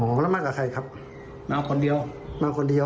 แล้วมากับใครครับมาคนเดียวมาคนเดียว